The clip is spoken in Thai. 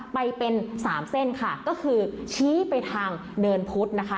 ไปเป็นสามเส้นค่ะก็คือชี้ไปทางเนินพุธนะคะ